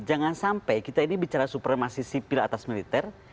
jangan sampai kita ini bicara supremasi sipil atas militer